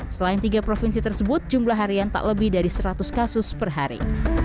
selain tiga provinsi tersebut jumlah harian tak lebih dari seratus kasus per hari